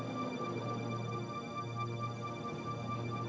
ini kantor polisi bukan kontor binatang